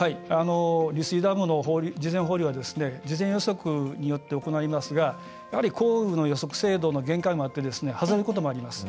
利水ダムの事前放流は事前予測によって行いますが降雨の予測精度の限界もあって外れることもあります。